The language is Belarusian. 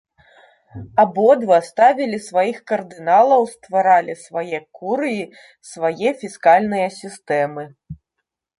Абодва ставілі сваіх кардыналаў, стваралі свае курыі, свае фіскальныя сістэмы.